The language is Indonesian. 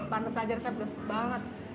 pantes aja resep pedas banget